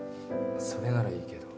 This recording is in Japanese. それならいいけど。